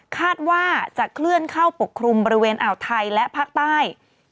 คาดว่าจะเคลื่อนเข้าปกคลุมบริเวณอ่าวไทยและภาคใต้